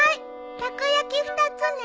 たこ焼き２つね。